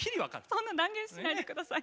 そんな断言しないでください。